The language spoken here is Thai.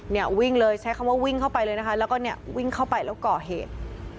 เนี่ยวิ่งเลยใช้คำว่าวิ่งเข้าไปเลยนะคะแล้วก็เนี่ยวิ่งเข้าไปแล้วก่อเหตุ